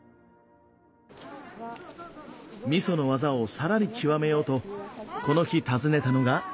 みその技をさらに極めようとこの日訪ねたのが。